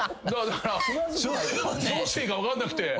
だからどうしていいか分かんなくて。